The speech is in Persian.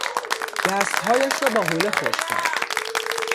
دستهایش را با حوله خشک کرد.